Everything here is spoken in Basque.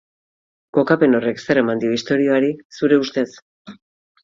Kokapen horrek zer eman dio istorioari, zure ustez?